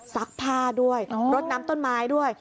ซักผ้าด้วยรดน้ำต้นไม้ด้วย